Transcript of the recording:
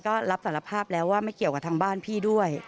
ก็รับสารภาพแล้วว่าไม่เกี่ยวกับทางบ้านพี่ด้วย